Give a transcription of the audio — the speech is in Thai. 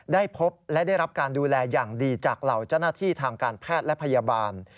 ได้พบและได้รับการดูแลอย่างดีจากเหล่าเจ้าหน้าที่ทางการแพทย์และพยาบาล